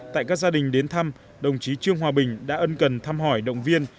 tại các gia đình đến thăm đồng chí trương hòa bình đã ân cần thăm hỏi động viên